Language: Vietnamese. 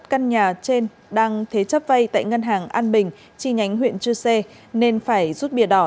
căn nhà trên đang thế chấp vay tại ngân hàng an bình chi nhánh huyện chư sê nên phải rút bìa đỏ